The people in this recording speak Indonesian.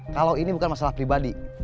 kalau ini bukan masalah pribadi